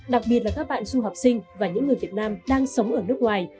đặc biệt là các bạn du học sinh và những người việt nam đang sống ở nước ngoài